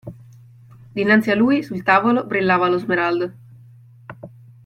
Dinanzi a lui, sul tavolo, brillava lo smeraldo.